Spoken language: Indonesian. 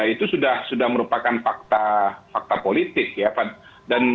itu sudah merupakan fakta politik ya pak